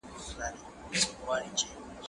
هغه څوک چي بازار ته ځي سودا کوي؟